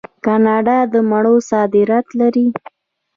کاناډا د مڼو صادرات لري.